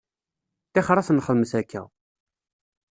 Ṭixer ad t-nxedmet akka.